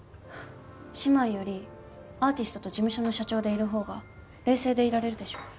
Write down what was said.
姉妹よりアーティストと事務所の社長でいるほうが冷静でいられるでしょ。